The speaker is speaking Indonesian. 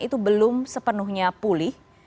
itu belum sepenuhnya pulih